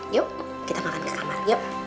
yuk kita makan di kamar